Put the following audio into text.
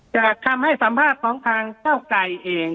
จากคำให้สัมภาษณ์ของทางเก้าไกรเอง